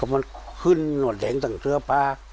มันขึ้นแดงต่างเครือปลา